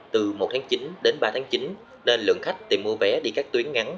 từ một tháng chín đến ba tháng chín nên lượng khách tìm mua vé đi các tuyến ngắn